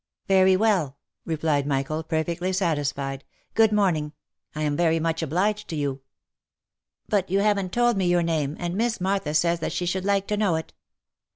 " Very well," replied Michael, perfectly satisfied —" good morning ! —I am very much obliged to you." "But you haven't told me your name, and Miss Martha says that she should like to know it."